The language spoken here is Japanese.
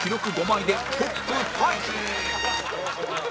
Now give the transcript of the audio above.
５枚でトップタイ